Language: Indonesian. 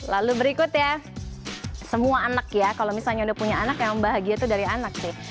lalu berikut ya semua anak ya kalau misalnya udah punya anak yang bahagia itu dari anak sih